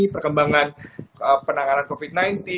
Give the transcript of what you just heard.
perkembangan penanganan covid sembilan belas